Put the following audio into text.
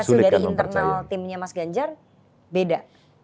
tapi dari internal timnya mas ganjar beda